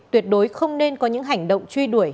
tuyệt đối không nên có những hành động truy đuổi